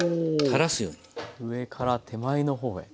上から手前の方へ。